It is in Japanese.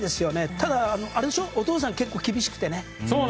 ただ、お父さんが結構厳しくてね。